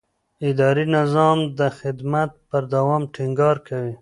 اداري نظام د خدمت پر دوام ټینګار کوي.